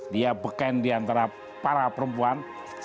dia beken diantara para perempuan